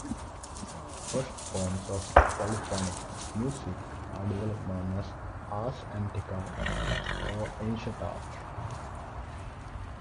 First forms of polyphonic music are developed known as "Ars Antiqua" or Ancient art.